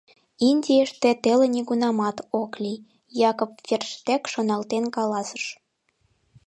— Индийыште теле нигунамат ок лий, — Якоб Ферштег шоналтен каласыш.